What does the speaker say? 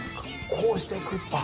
こうしていくっていう。